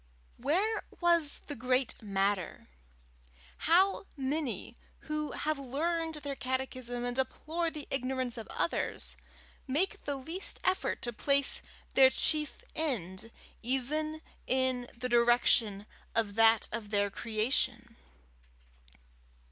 Where was the great matter? How many who have learned their catechism and deplore the ignorance of others, make the least effort to place their chief end even in the direction of that of their creation?